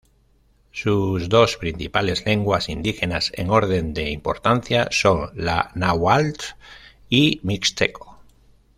Sus dos principales lenguas indígenas en orden de importancia son la Náhuatl y Mixteco.